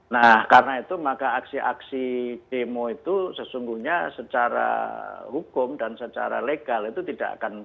nah karena itu maka aksi aksi demo itu sesungguhnya secara hukum dan secara legal itu tidak akan